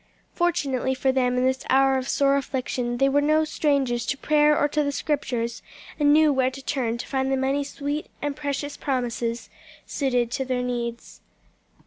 Fortunately for them in this hour of sore affliction, they were no strangers to prayer or to the Scriptures, and knew where to turn to find the many sweet and precious promises suited to their needs.